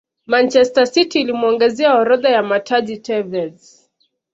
manchester city ilimuongezea orodha ya mataji tevez